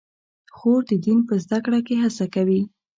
خور د دین په زده کړه کې هڅه کوي.